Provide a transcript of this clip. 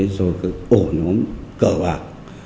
rồi các ổ nóng cờ bạc